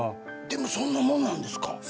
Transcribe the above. でも、そんなもんなんですか。